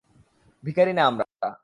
ভিখারি না আমরা!